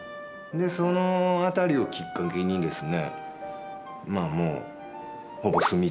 その辺りをきっかけにですねまあ